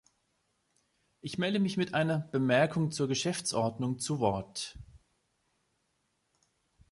Ich melde mich mit einer Bemerkung zur Geschäftsordnung zu Wort.